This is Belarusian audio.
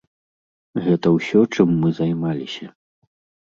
Гэта ўсё, чым мы займаліся.